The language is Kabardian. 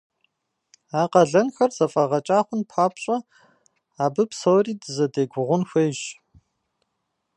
А къалэнхэр зэфӀэгъэкӀа хъун папщӀэ абы псори дызэдегугъун хуейщ.